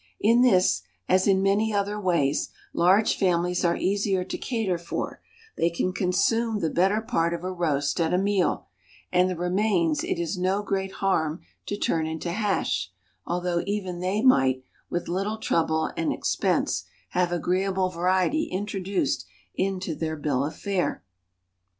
In this, as in many other ways, large families are easier to cater for; they can consume the better part of a roast at a meal, and the remains it is no great harm to turn into hash, although even they might, with little trouble and expense, have agreeable variety introduced into their bill of fare.